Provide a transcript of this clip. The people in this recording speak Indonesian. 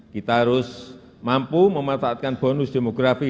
kita harus mampu memanfaatkan bonus demografi